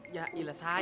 ya ilah salah